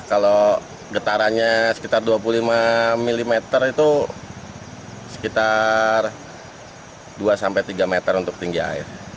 kalau getarannya sekitar dua puluh lima mm itu sekitar dua sampai tiga meter untuk tinggi air